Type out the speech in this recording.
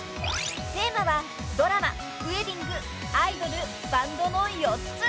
テーマはドラマ、ウェディングアイドル、バンドの４つ。